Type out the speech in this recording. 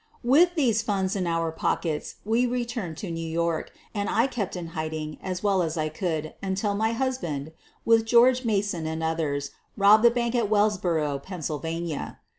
With these funds in our pockets we returned to New York, and I kept in hid ing as well as I could until my husband, with George Mason and others, robbed the bank at Wellsboro, Pennsylvania.